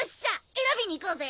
選びに行こうぜ。